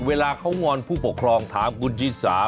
เวลาเขางอนผู้ปกครองถามคุณชิสา